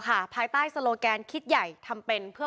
คุณวราวุฒิศิลปะอาชาหัวหน้าภักดิ์ชาติไทยพัฒนา